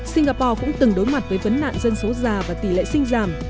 singapore cũng từng đối mặt với vấn nạn dân số già và tỷ lệ sinh giảm